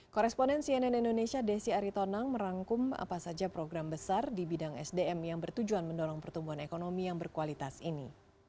koresponen cnn indonesia desi aritonang merangkum apa saja program besar di bidang sdm yang bertujuan mendorong pertumbuhan ekonomi yang berkualitas ini